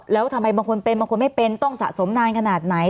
แล้วทำไมบางคนเป็นบางคนไม่เป็นต้องสะสมนานขนาดไหน